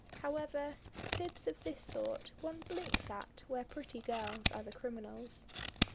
However, fibs of this sort one blinks at where pretty girls are the criminals.